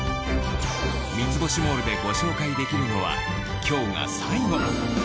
『三ツ星モール』でご紹介できるのは今日が最後！